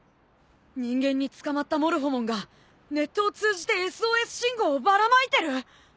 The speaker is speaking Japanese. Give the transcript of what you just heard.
人間に捕まったモルフォモンがネットを通じてＳＯＳ信号をばらまいてる！？